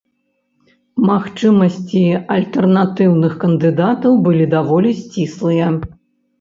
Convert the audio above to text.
Магчымасці альтэрнатыўных кандыдатаў былі даволі сціслыя.